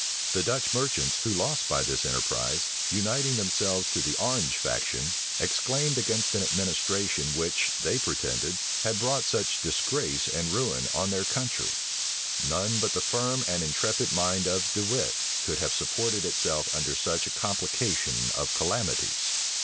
The Dutch merchants, who lost by this enterprise, uniting themselves to the Orange faction, exclaimed against an administration which, they pretended, had brought such disgrace and ruin on their country. None but the firm and intrepid mind of De Wit could have supported itself under such a complication of calamities.